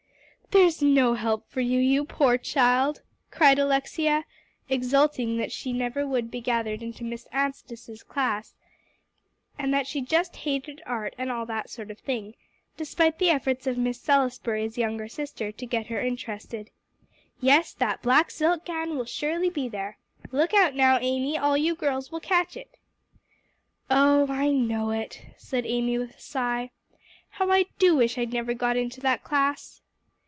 "There's no help for you, you poor child," cried Alexia, exulting that she never would be gathered into Miss Anstice's class, and that she just hated art and all that sort of thing, despite the efforts of Miss Salisbury's younger sister to get her interested. "Yes, that black silk gown will surely be there. Look out now, Amy; all you girls will catch it." "Oh, I know it," said Amy with a sigh. "How I do wish I never'd got into that class!"